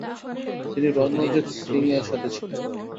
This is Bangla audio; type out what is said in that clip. তিনি রণজিৎ সিং এর সাথে ছিলেন।